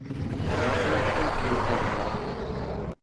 ยกเลิกโทษนี้ไปแล้ว